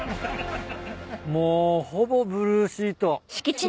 もうほぼブルーシート。